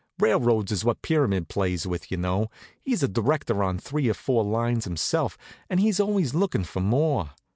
Railroads is what Pyramid plays with, you know. He's a director on three or four lines himself, and is always lookin' for more.